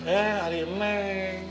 eh adik neng